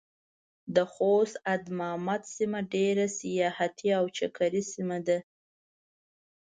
د خوست ادمامد سيمه ډېره سياحتي او چکري سيمه ده.